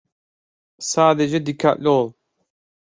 Sadece dikkatli ol.